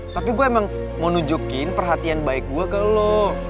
tapi gue emang mau nunjukin perhatian baik gue ke lo